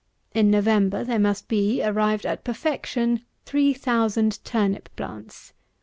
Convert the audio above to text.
In November there must be, arrived at perfection, 3000 turnip plants.